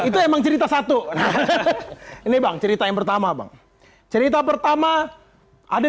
the lounge aloha ini bang cerita yang pertama wes cerita pertama ada